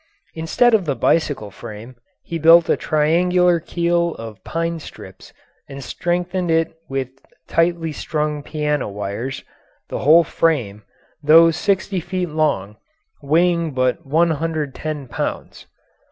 Instead of the bicycle frame, he built a triangular keel of pine strips and strengthened it with tightly strung piano wires, the whole frame, though sixty feet long, weighing but 110 pounds.